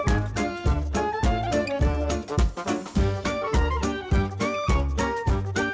ไม่ตอนแรกนึกว่าไอ้นี่ใช่ไหมอันเล็กเล็กใช่ไหม